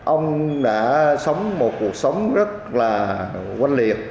ông đã sống một cuộc sống rất là quan liệt